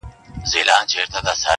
ځاله د زمرو سوه په نصیب د سورلنډیو!.